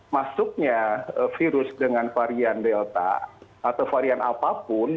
masuknya virus dengan varian delta atau varian apapun